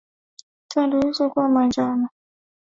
Tando hizo kuwa manjano katika hatua za baadaye za ugonjwa huu